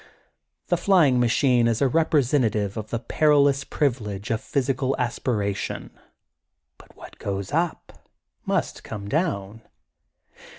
The fly ing machine is a representative of the peril ous privilege of physical aspiration. But what goes up must come down.